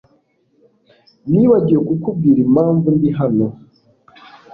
Nibagiwe kukubwira impamvu ndi hano